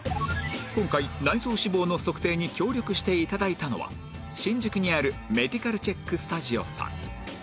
今回内臓脂肪の測定に協力して頂いたのは新宿にあるメディカルチェックスタジオさん